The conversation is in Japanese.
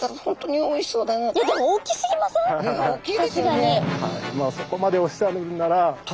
おっきいですよね。